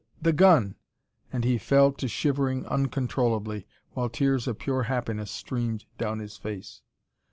"The the gun!" And he fell to shivering uncontrollably, while tears of pure happiness streamed down his face.